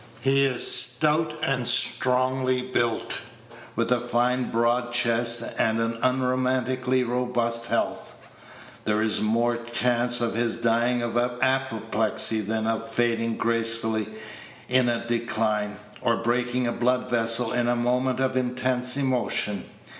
He is stout and strongly built, with a fine broad chest, and unromantically robust health. There is more chance of his dying of apoplexy than of fading gracefully in a decline, or breaking a blood vessel in a moment of intense emotion.